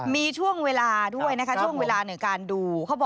มีช่วงเวลาด้วยนะคะ